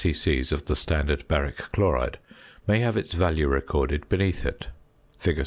c. of the standard baric chloride may have its value recorded beneath it (fig.